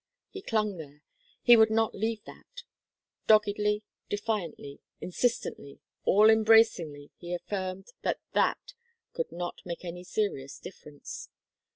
He clung there; he would not leave that; doggedly, defiantly, insistently, all embracingly he affirmed that that could not make any serious difference.